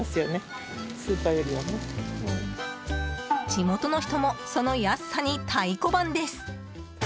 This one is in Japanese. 地元の人もその安さに太鼓判です。